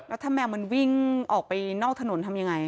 แล้วถ้าแมวมันวิ่งออกไปนอกถนนทำยังไง